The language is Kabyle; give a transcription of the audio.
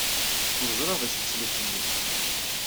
Ur ẓriɣ d acu tesliḍ fell-i.